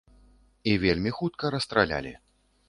І вельмі хутка расстралялі.